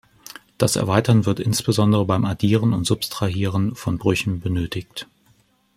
Das Erweitern wird insbesondere beim Addieren und Subtrahieren von Brüchen benötigt.